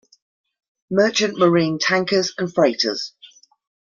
Merchant Marine tankers and freighters.